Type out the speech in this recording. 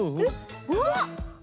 うわっ！